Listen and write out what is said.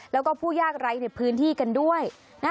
แล้วก็ผู้ยากไร้ในพื้นที่กันด้วย